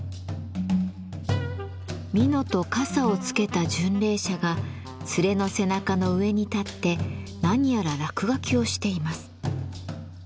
蓑と笠をつけた巡礼者が連れの背中の上に立って何やら落書きをしています。